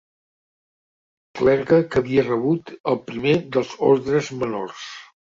Clergue que havia rebut el primer dels ordes menors.